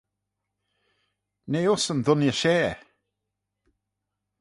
Nee uss yn dooinney share?